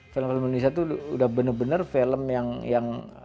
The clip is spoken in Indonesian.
film film indonesia tuh udah bener bener film yang